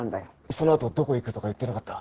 そのあとどこ行くとか言ってなかった？